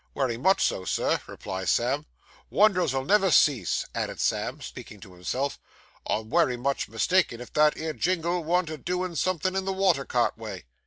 'Wery much so, Sir,' replied Sam. 'Wonders 'ull never cease,' added Sam, speaking to himself. 'I'm wery much mistaken if that 'ere Jingle worn't a doin somethin' in the water cart way!